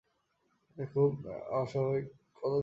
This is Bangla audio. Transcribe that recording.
এটা অবশ্যই খুব অস্বাভাবিক পদক্ষেপ।